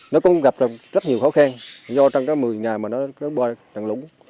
nó cũng gặp rất nhiều khó khăn do trong một mươi ngày nó qua trận lũ